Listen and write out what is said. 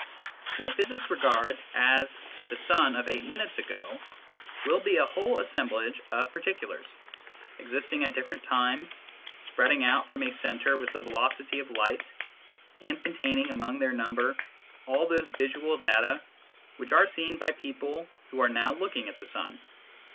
What physics regards as the sun of eight minutes ago will be a whole assemblage of particulars, existing at different times, spreading out from a centre with the velocity of light, and containing among their number all those visual data which are seen by people who are now looking at the sun.